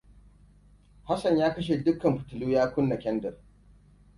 Hassan ya kashe dukkan fitilu ya kunna kyandir.